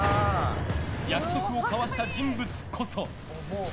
約束を交わした人物こそ。